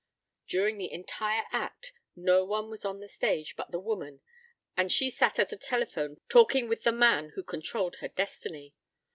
During the entire act no one was on the stage but the woman and she sat at a telephone talking with the man who controlled her destiny.